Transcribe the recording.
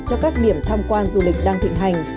cho các điểm tham quan du lịch đang thịnh hành